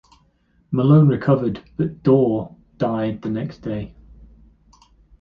Malone recovered, but Daw died the next day.